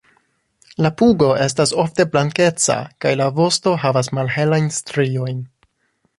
La pugo estas ofte blankeca kaj la vosto havas malhelajn striojn.